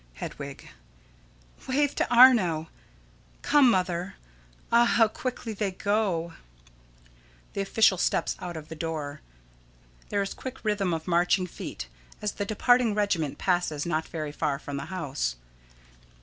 Hedwig: Wave to Arno. Come, Mother. Ah, how quickly they go! [_The official steps out of the door. There is quick rhythm of marching feet as the departing regiment passes not very far from the house.